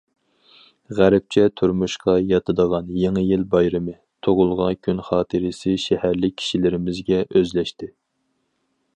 غەربچە تۇرمۇشقا ياتىدىغان يېڭى يىل بايرىمى، تۇغۇلغان كۈن خاتىرىسى شەھەرلىك كىشىلىرىمىزگە ئۆزلەشتى.